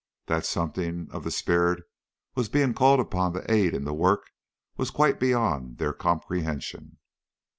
That something of the spirit was being called upon to aid in the work was quite beyond their comprehension.